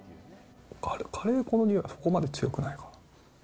カレー粉の匂いがそこまで強くないかも。